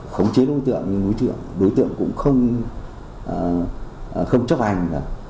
khống chế đối tượng nhưng đối tượng cũng không chấp hành